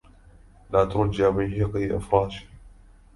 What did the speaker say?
لا ترج يا بيهقي إفراشي